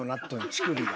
乳首が。